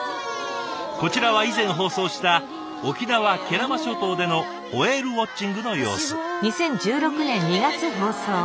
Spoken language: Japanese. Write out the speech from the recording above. こちらは以前放送した沖縄・慶良間諸島でのホエールウォッチングの様子。